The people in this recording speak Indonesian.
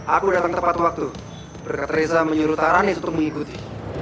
aku datang tepat waktu reza menyuruh taranis untuk mengikuti